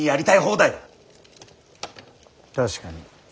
確かに。